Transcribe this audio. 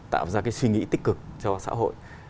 tạo ra cái suy nghĩ tích cực cho xã hội